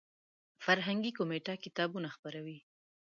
فرهنګي کمیټه کتابونه به خپروي.